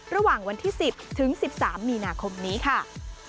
ระหว่างวันที่๑๐ถึง๑๓มีนาคมนี้ค่ะ